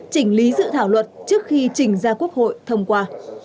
chỉnh lý dự thảo luật trước khi trình ra quốc hội thông qua